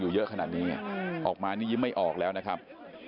เยอะขนาดนี้ออกมานี่ยิ้มไม่ออกแล้วนะครับ